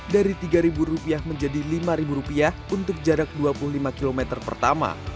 dari tiga rupiah menjadi lima rupiah untuk jarak dua puluh lima km pertama